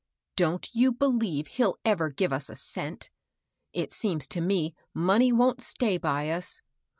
" Don't you believe he'll ever give us a cent ! It seems to me money wont stay by us.